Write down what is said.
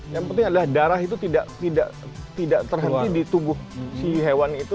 yang penting adalah darah itu tidak terhenti di tubuh si hewan itu